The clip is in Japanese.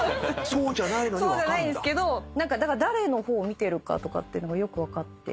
そうじゃないんですけどだから誰の方を見てるかとかっていうのがよく分かって。